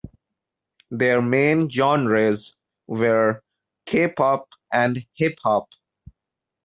Their main genres were K-pop and hip-hop.